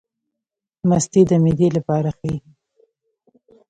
مستې د معدې لپاره ښې دي